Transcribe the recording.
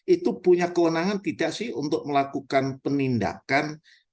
itu punya kewenangan tidak sih untuk melakukan penindakan